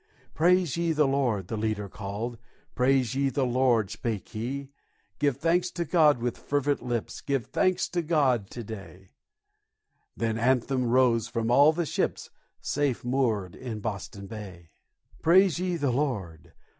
"Praise ye the Lord," the leader called; "Praise ye the Lord," spake he. "Give thanks to God with fervent lips, Give thanks to God to day," The anthem rose from all the ships, Safe moored in Boston Bay. "Praise ye the Lord!"